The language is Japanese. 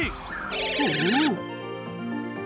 おお！